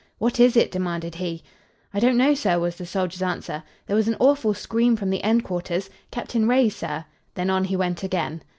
"What is it?" demanded he. "I don't know, sir," was the soldier's answer. "There was an awful scream from the end quarters Captain Ray's, sir." Then on he went again.